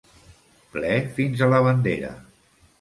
Ple fins a la bandera.